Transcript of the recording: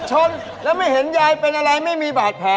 ชนแล้วไม่เห็นยายเป็นอะไรไม่มีบาดแผล